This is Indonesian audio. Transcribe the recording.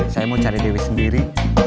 saya mau cari diri sendiri